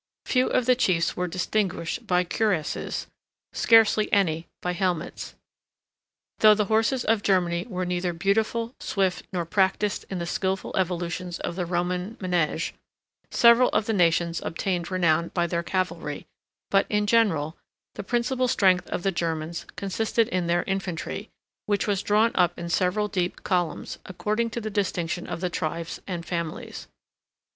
Few of the chiefs were distinguished by cuirasses, scarcely any by helmets. Though the horses of Germany were neither beautiful, swift, nor practised in the skilful evolutions of the Roman manege, several of the nations obtained renown by their cavalry; but, in general, the principal strength of the Germans consisted in their infantry, 73 which was drawn up in several deep columns, according to the distinction of tribes and families.